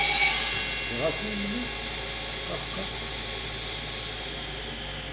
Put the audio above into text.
Dɣa tumenem-t? Qaḥqa!